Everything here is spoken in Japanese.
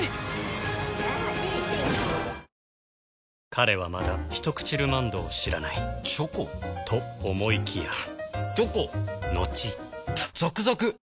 彼はまだ「ひとくちルマンド」を知らないチョコ？と思いきやチョコのちザクザク！